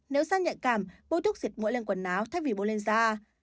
nếu da nhạy cảm bôi thuốc diệt mũi lên quần áo thay vì bôi lên da